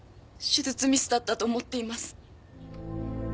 手術ミスだったと思っています。